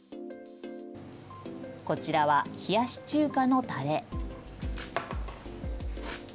こちらは冷やし中華のたれ。